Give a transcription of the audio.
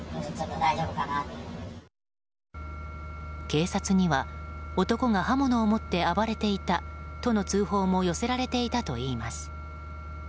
警察には男が刃物を持って暴れていたとの通報も寄せられていたといいます。